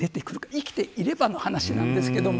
生きていればの話なんですけれども。